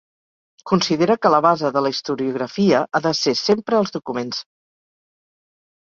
Considera que la base de la historiografia ha de ser sempre els documents.